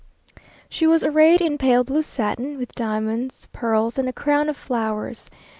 She was arrayed in pale blue satin, with diamonds, pearls, and a crown of flowers.